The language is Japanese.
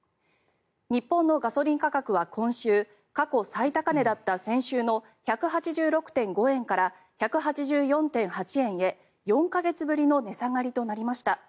日本のガソリン価格は今週過去最高値だった先週の１８６．５円から１８４．８円へ４か月ぶりの値下がりとなりました。